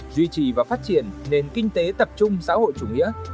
duy trì và phát triển nền kinh tế tập trung xã hội chủ nghĩa